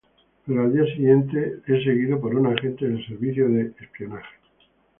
Pero al día siguiente es seguido por un agente del Servicio de Inteligencia.